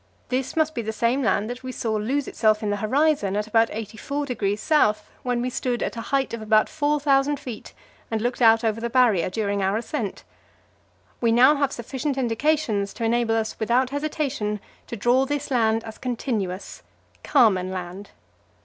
This must be the same land that we saw lose itself in the horizon in about 84°S., when we stood at a height of about 4,000 feet and looked out over the Barrier, during our ascent. We now have sufficient indications to enable us without hesitation to draw this land as continuous Carmen Land.